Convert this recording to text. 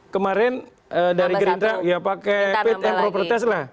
kemarin dari gerintra ya pakai pitm properties lah